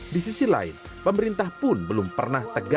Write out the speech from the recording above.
di sisi lain pemerintah pun belum pernah tegas